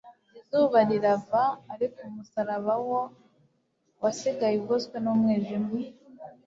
Izuba rirava, ariko umusaraba wo wasigaye ugoswe n'umwijima.